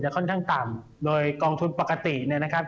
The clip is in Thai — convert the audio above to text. ค่อนข้างต่ำโดยกองทุนปกติเนี่ยนะครับ